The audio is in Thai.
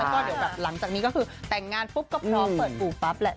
แล้วก็เดี๋ยวแบบหลังจากนี้ก็คือแต่งงานปุ๊บก็พร้อมเปิดอู่ปั๊บแหละ